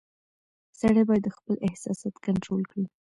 • سړی باید خپل احساسات کنټرول کړي.